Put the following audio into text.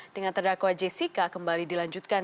dengan terdakwa jessica kembali dilanjutkan